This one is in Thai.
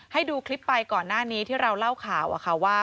ให้ดูคลิปไปก่อนหน้านี้ที่เราเล่าข่าวว่า